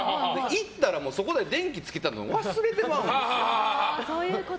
行ったら、そこで電気つけたのを忘れてまうんですよ。